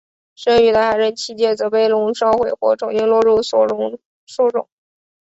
剩余的矮人七戒则被龙烧毁或重新落入索伦手中。